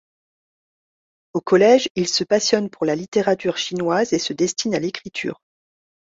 Au collège, il se passionne pour la littérature chinoise et se destine à l'écriture.